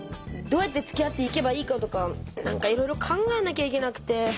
どうやってつきあっていけばいいかとかなんかいろいろ考えなきゃいけなくて。